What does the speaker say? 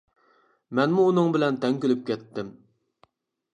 مەنمۇ ئۇنىڭ بىلەن تەڭ كۈلۈپ كەتتىم.